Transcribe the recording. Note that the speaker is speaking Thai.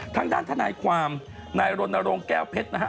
ทางด้านท่านายความนายโรนโนโลงแก้วเพชรนะฮะ